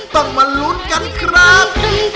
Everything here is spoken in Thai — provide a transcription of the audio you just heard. ต้องมาลุ้นกันครับ